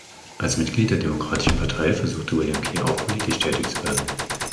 Als Mitglied der Demokratischen Partei versuchte William Key auch politisch tätig zu werden.